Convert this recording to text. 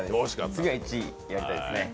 次は１位、狙いたいですね。